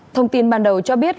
thông tin ban đầu cho biết